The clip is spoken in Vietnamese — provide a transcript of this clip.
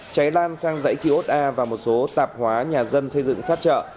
cháy lan sang dãy ký ốt a và một số tạp hóa nhà dân xây dựng sát chợ